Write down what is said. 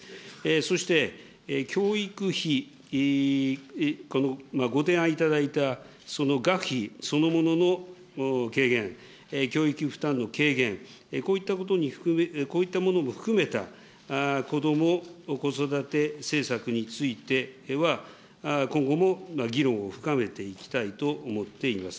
そして教育費、ご提案いただいたその学費、そのものの軽減、教育費負担の軽減、こういったものも含めた子ども・子育て政策については、今後も議論を深めていきたいと思っています。